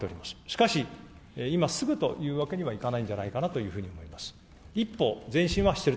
しかし、今すぐというわけにはいかないんじゃないかなというふうに思います。